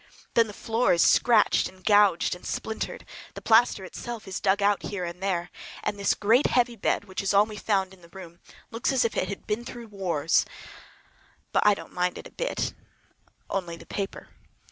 Then the floor is scratched and gouged and splintered, the plaster itself is dug out here and there, and this great heavy bed, which is all we found in the room, looks as if it had been through the wars. But I don't mind it a bit—only the paper.